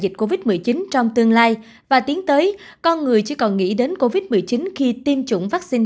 dịch covid một mươi chín trong tương lai và tiến tới con người chỉ còn nghĩ đến covid một mươi chín khi tiêm chủng vaccine